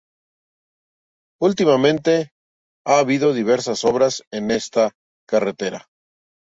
Últimamente ha habido diversas obras en esta carretera